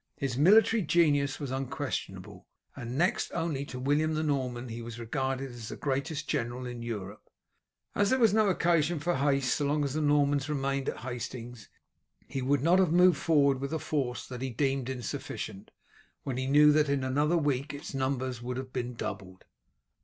His military genius was unquestionable, and next only to William the Norman he was regarded as the greatest general in Europe. As there was no occasion for haste so long as the Normans remained at Hastings he would not have moved forward with a force he deemed insufficient, when he knew that in another week its numbers would have been doubled.